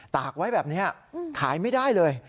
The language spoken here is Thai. ตากไว้แบบนี้ขายไม่ได้เลย